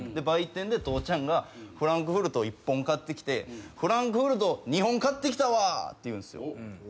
売店で父ちゃんがフランクフルト１本買ってきて「フランクフルト２本買ってきたわ」って言うんすよ。